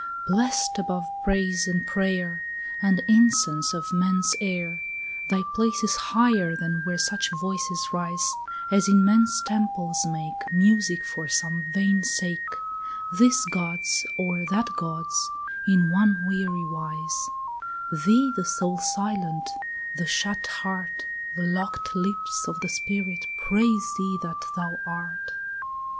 10 Blest above praise and prayer And incense of men's air, Thy place is higher than where such voices rise As in men's temples make Music for some vain sake, This God's or that God's, in one weary wise; Thee the soul silent, the shut heart, The locked lips of the spirit praise thee that thou art.